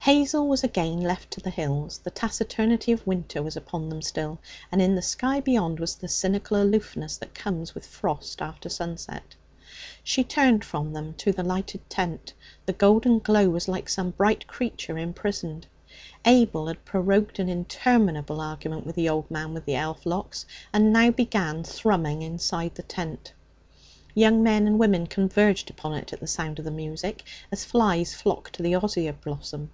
Hazel was again left to the hills. The taciturnity of winter was upon them still, and in the sky beyond was the cynical aloofness that comes with frost after sunset. She turned from them to the lighted tent. The golden glow was like some bright creature imprisoned. Abel had prorogued an interminable argument with the old man with the elf locks, and now began thrumming inside the tent. Young men and women converged upon it at the sound of the music, as flies flock to the osier blossom.